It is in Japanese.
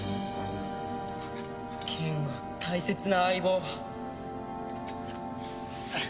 剣は大切な相棒。